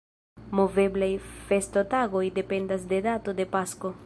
Moveblaj festotagoj dependas de dato de Pasko.